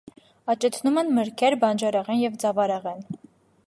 Աճեցնում են մրգեր, բանջարեղեն և ձավարեղեն։